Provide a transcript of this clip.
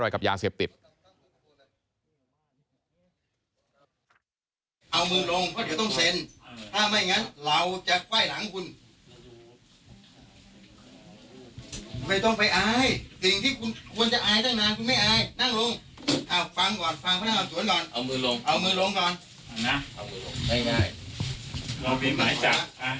เรารู้ว่าสิ่งที่คิดว่าคุณนั้นมากก็คือจะคุยกับเจ้าหน้าเท่าไหร่